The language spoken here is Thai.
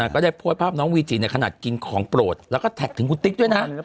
ก็ได้โพสต์ภาพน้องวีจิในขณะกินของโปรดแล้วก็แท็กถึงคุณติ๊กด้วยนะ